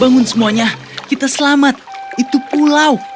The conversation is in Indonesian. bangun semuanya kita selamat itu pulau